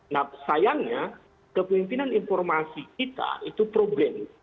nah sayangnya kepemimpinan informasi kita itu penuh dengan kegunaan